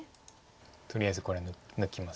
とりあえずこれ抜きます。